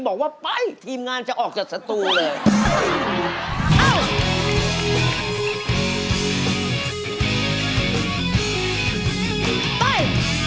บอกว่าไปทีมงานจะออกจากสตูเลย